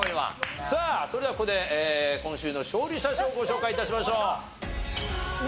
さあそれではここで今週の勝利者賞をご紹介致しましょう。